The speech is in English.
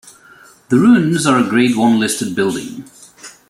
The ruins are a Grade One listed building.